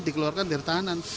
dikeluarkan dari tahanan